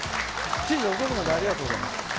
知事遅くまでありがとうございます。